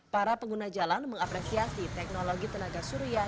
para pengguna jalan mengapresiasi teknologi tenaga surya